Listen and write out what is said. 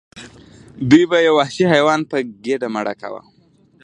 دوی به یو وحشي حیوان په ګډه مړه کاوه.